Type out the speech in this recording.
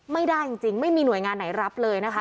ไม่ได้จริงไม่มีหน่วยงานไหนรับเลยนะคะ